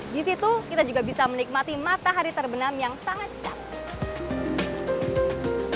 di situ kita juga bisa menikmati matahari terbenam yang sangat cantik